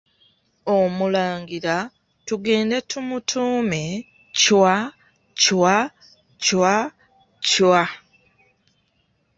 Omulangira tugende tumutuume Chwa, Chwa, Chwa, Chwa!